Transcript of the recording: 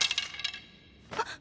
・あっ。